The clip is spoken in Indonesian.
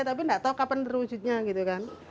tapi nggak tahu kapan terwujudnya gitu kan